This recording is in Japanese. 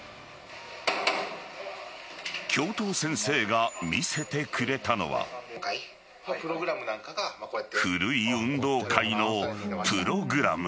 教頭先生が見せてくれたのは古い運動会のプログラム。